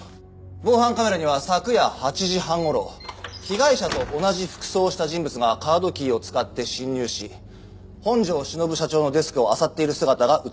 防犯カメラには昨夜８時半頃被害者と同じ服装をした人物がカードキーを使って侵入し本庄忍社長のデスクをあさっている姿が映っていました。